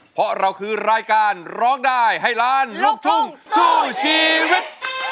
เพราะเราคือรายการร้องได้ให้ล้านลูกทุ่งสู้ชีวิต